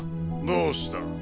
どうした？